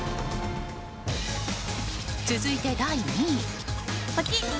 続いて、第２位。